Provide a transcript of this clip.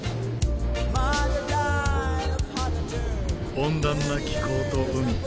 温暖な気候と海。